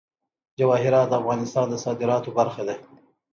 جواهرات د افغانستان د صادراتو برخه ده.